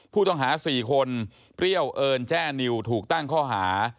ผู้ต้องหา๔คนเปรี้ยวเอิญแจ้นิวถูกตั้งข้อหา